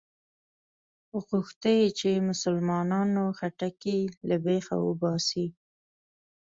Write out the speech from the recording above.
غوښته یې چې مسلمانانو خټکی له بېخه وباسي.